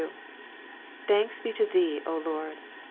Thanks to Thee, O Lord.